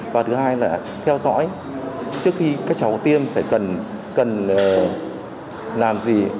và thứ hai là theo dõi trước khi các cháu tiêm phải cần làm gì